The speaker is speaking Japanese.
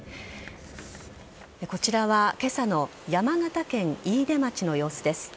こちらは今朝の山形県飯豊町の様子です。